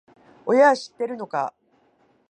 親は知ってるのか？